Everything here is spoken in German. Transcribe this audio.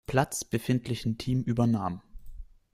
Platz befindlichen Team übernahm.